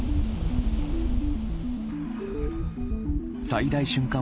最大瞬間